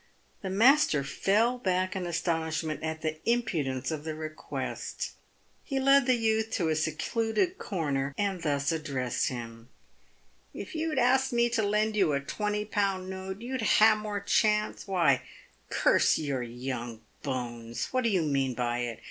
The master fell back in astonishment at the impudence of the request. He led the youth to a secluded corner, and thus addressed him. " If you'd asked me to lend you a twenty pound note, you'd ha' had more chance. "Why, curse your young bones ! what do you mean by it ?